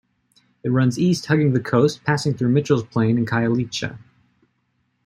It runs east, hugging the coast, passing through Mitchell's Plain and Khayelitsha.